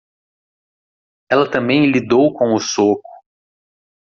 Ela também lidou com o soco.